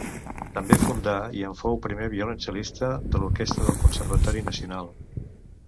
També fundà i en fou primer violoncel·lista de l'Orquestra del Conservatori Nacional.